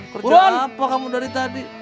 kerja apa kamu dari tadi